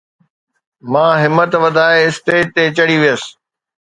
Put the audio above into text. مان همت وڌائي اسٽيج تي چڙھي ويس